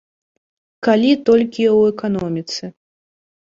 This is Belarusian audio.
Калі толькі ў эканоміцы.